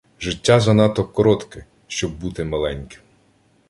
Життя занадто коротке, щоб бути маленьким.